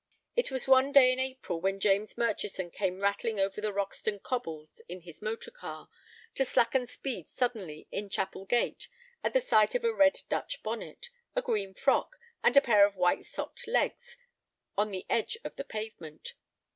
It was one day in April when James Murchison came rattling over the Roxton cobbles in his motor car, to slacken speed suddenly in Chapel Gate at the sight of a red Dutch bonnet, a green frock, and a pair of white socked legs on the edge of the pavement.